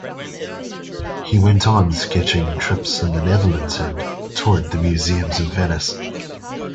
He went on sketching trips in the Netherlands and toured the museums of Venice.